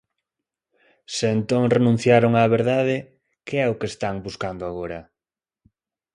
Se entón renunciaron á verdade, ¿que é o que están buscando agora?